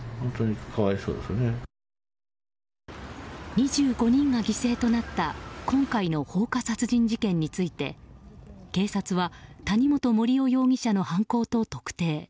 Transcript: ２５人が犠牲となった今回の放火殺人事件について警察は、谷本盛雄容疑者の犯行と特定。